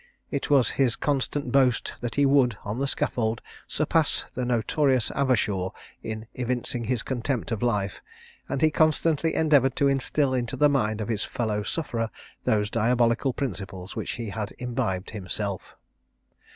It was his constant boast that he would, on the scaffold, surpass the notorious Avershaw in evincing his contempt for life; and he constantly endeavoured to instil into the mind of his fellow sufferer those diabolical principles which he had imbibed himself.